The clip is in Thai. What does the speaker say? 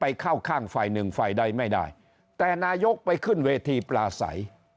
ไปเข้าข้างไฟหนึ่งไฟได้ไม่ได้แต่นายกไปขึ้นเวทีปราศัย